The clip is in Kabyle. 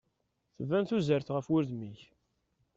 Tban tuzert ɣef udem-ik.